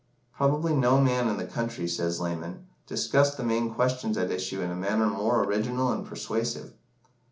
Probably no man in the country, says Lamon, discussed the main questions at issue in a manner more original and persuasive.